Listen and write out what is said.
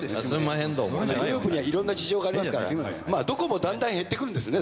グループにはいろんな事情がありますからどこもだんだん減ってくるんですね